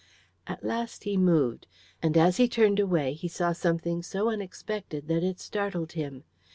At last he moved, and as he turned away he saw something so unexpected that it startled him.